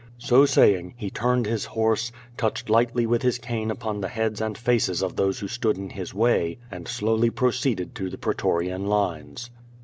So saying, he turned his horse, touched lightly with his cane upon the heads and faces of those who stood in his way, and slowly proceeded to the pretorian lines.